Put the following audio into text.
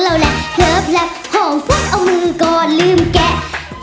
เล่าแหลกเหลือบแหลกห่องฟุ๊กเอามือก่อนลืมแกะ